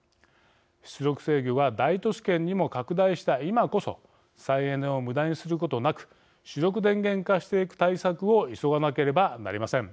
出力制御が大都市圏にも拡大した今こそ再エネをむだにすることなく主力電源化していく対策を急がなければなりません。